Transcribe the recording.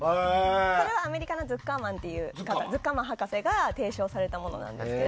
これはアメリカのズッカーマン博士が提唱されたものなんですが。